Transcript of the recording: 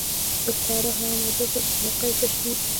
استعاره هغه مجاز دئ، چي علاقه ئې تشبېه يي.